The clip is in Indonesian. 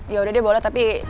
ya udah deh boleh tapi